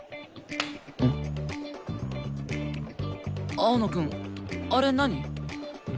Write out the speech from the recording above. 青野くんあれ何？